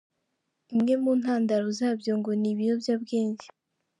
Imwe mu ntandaro zabyo ngo ni ibiyobyabwenge.